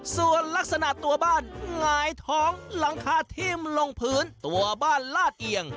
ส่วนลักษณะตัวบ้านหงายท้องหลังคาทิ่มลงพื้นตัวบ้านลาดเอียง